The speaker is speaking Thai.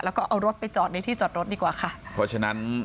แล้วก็เอารถไปจอดในที่จอดรถดีกว่าค่ะเพราะฉะนั้น